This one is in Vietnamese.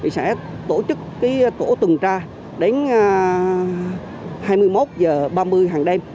sẽ tổ chức tổ tuần tra đến hai mươi một h ba mươi hàng đêm